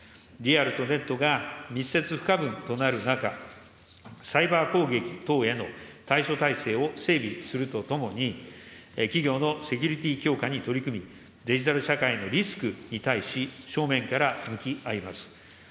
リアルとネットが密接不可分となる中、サイバー攻撃等への対処体制を整備するとともに、企業のセキュリティー強化に取り組み、デジタル社会のリスクに対し、正面から向き合います。